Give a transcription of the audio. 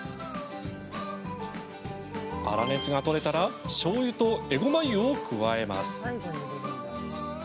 粗熱が取れたら、しょうゆとえごま油を加えます。